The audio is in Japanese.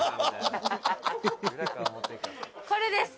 「これです！